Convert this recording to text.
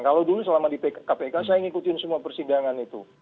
kalau dulu selama di kpk saya ngikutin semua persidangan itu